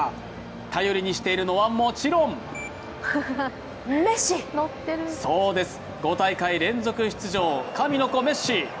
頼りにしているのは、もちろんそうです、５大会連続出場、神の子メッシ。